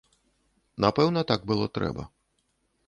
Напэўна, так было трэба.